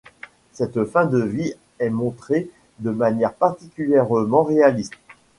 Cette fin de vie est montrée de manière particulièrement réaliste.